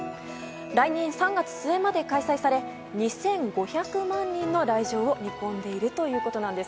来年３月末まで開催され２５００万人の来場を見込んでいるということです